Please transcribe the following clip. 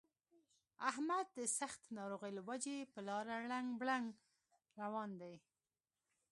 احمد د سختې ناروغۍ له وجې په لاره ړنګ بنګ روان دی.